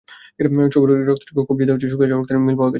ছুরির রক্তের সঙ্গে রবিনের কবজিতে শুকিয়ে যাওয়া রক্তের মিল পাওয়া গেছে।